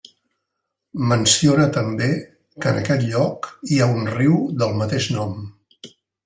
Menciona també que en aquest lloc hi ha un riu del mateix nom.